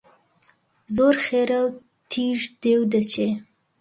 زۆر خێرا و تیژ دێ و دەچێ